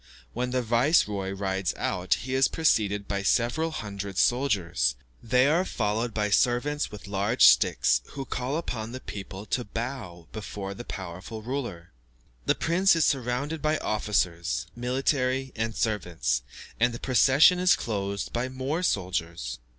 When the viceroy rides out, he is preceded by several hundred soldiers. They are followed by servants with large sticks, who call upon the people to bow before the powerful ruler. The prince is surrounded by officers, military, and servants, and the procession is closed by more soldiers.